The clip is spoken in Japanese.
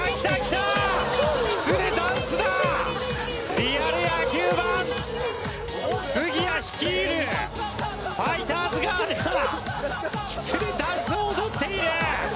リアル野球ＢＡＮ杉谷率いるファイターズガールがきつねダンスを踊っている。